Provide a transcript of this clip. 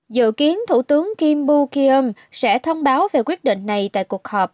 dự kiến thủ tướng kim buk yeom sẽ thông báo về quyết định này tại cuộc họp